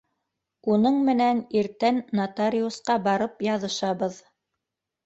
Уның менән иртән нотариусҡа барып яҙышабыҙ.